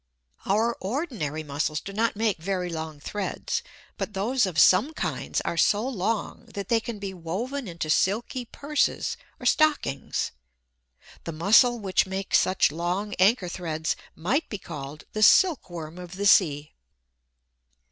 Our ordinary Mussels do not make very long threads, but those of some kinds are so long that they can be woven into silky purses or stockings. The Mussel which makes such long anchor threads might be called "the silkworm of the sea."